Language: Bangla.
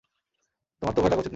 তোমার তো ভয় লাগা উচিত নয়।